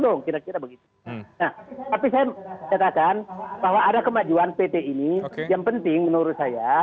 dong kira kira begitu nah tapi saya katakan bahwa ada kemajuan pt ini yang penting menurut saya